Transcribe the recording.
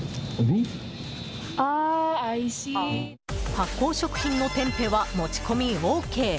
発酵食品のテンペは持ち込みＯＫ。